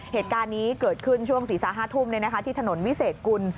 เหตุการณ์นี้เกิดขึ้นช่วงศีรษะ๕ทุ่มที่ถนนวิเศษกุล